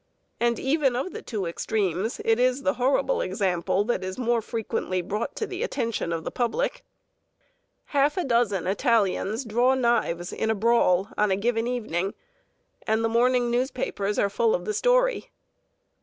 And even of the two extremes, it is the horrible example that is more frequently brought to the attention of the public. Half a dozen Italians draw knives in a brawl on a given evening, and the morning newspapers are full of the story.